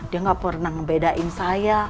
dia gak pernah ngebedain saya